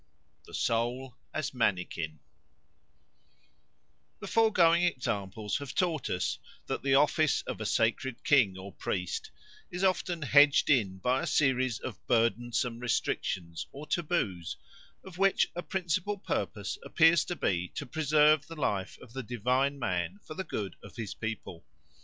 The Soul as a Mannikin THE FOREGOING examples have taught us that the office of a sacred king or priest is often hedged in by a series of burdensome restrictions or taboos, of which a principal purpose appears to be to preserve the life of the divine man for the good of his people.